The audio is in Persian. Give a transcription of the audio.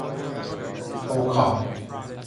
توکا